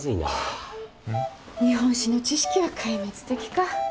日本史の知識は壊滅的か。